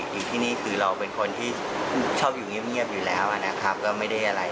อยู่ที่นี่คือเราเป็นคนที่ชอบอยู่เงียบอยู่แล้วนะครับก็ไม่ได้อะไร